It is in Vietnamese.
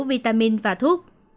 vitamin và thuốc